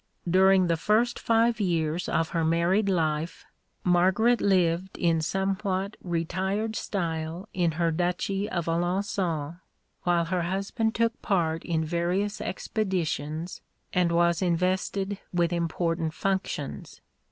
During the first five years of her married life Margaret lived in somewhat retired style in her duchy of Alençon, while her husband took part in various expeditions, and was invested with important functions.